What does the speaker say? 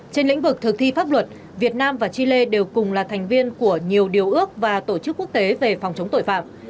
trên lĩnh vực thực thi pháp luật việt nam và chile đều cùng là thành viên của nhiều điều ước và tổ chức quốc tế về phòng chống tội phạm